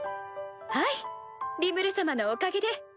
はいリムル様のおかげで。